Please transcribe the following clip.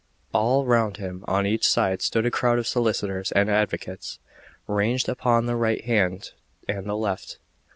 All round him on each side stood a crowd of solicitors and advocates, ranged upon the right hand and the left.